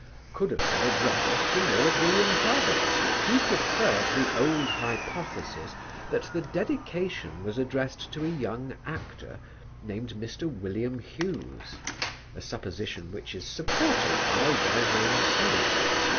could have been addressed to Lord William Herbert. He preferred the old hypothesis that the dedication was addressed to a young actor named Mr. William Hughes, a supposition which is supported by a well known sonnet.